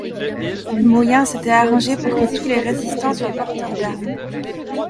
Mauyen s’était arrangé pour que tous les résistants soient porteurs d’armes.